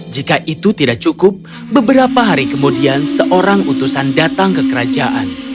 jika itu tidak cukup beberapa hari kemudian seorang utusan datang ke kerajaan